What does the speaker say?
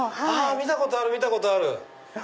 見たことある見たことある。